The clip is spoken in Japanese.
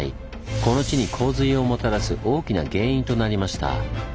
この地に洪水をもたらす大きな原因となりました。